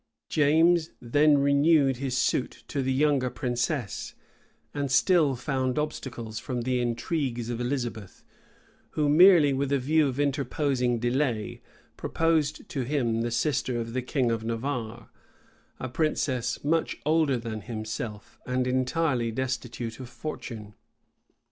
James then renewed his suit to the younger princess, and still found obstacles from the intrigues of Elizabeth, who, merely with a view of interposing delay, proposed to him the sister of the king of Navarre, a princess much older than himself, and entirely destitute of fortune.